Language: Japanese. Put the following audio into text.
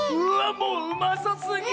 もううまそすぎ！